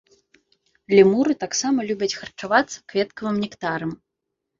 Лемуры таксама любяць харчавацца кветкавым нектарам.